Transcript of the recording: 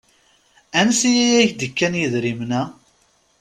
Ansi i ak-d-kkan yedrimen-a?